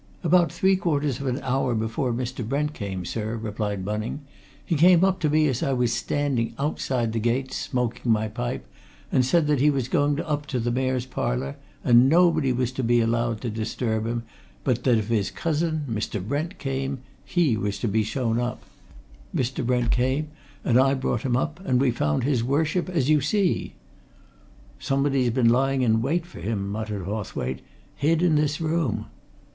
"About three quarters of an hour before Mr. Brent came, sir," replied Bunning. "He came up to me as I was standing outside the gates, smoking my pipe, and said that he was going up to the Mayor's Parlour, and nobody was to be allowed to disturb him, but that if his cousin, Mr. Brent, came, he was to be shown up. Mr. Brent came and I brought him up, and we found his Worship as you see." "Somebody's been lying in wait for him," muttered Hawthwaite. "Hid in this room!"